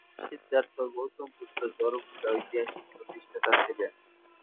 সিদ্ধার্থ গৌতম বৌদ্ধ ধর্মের ঐতিহাসিক প্রতিষ্ঠাতা ছিলেন।